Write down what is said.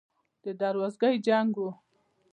د دروازګۍ جنګ و.